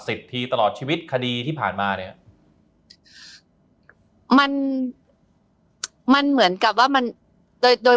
ทีตลอดชีวิตคดีที่ผ่านมาเนี้ยมันมันเหมือนกับว่ามันโดยโดย